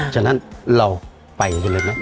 ฉะนั้นเราไปกันเลยนะ